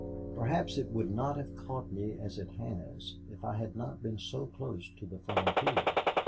Perhaps it would not have caught me as it has if I had not been so close to the frontier.